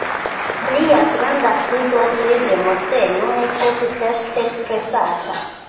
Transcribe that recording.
Lia granda studo pri Demosteno estos certe presata.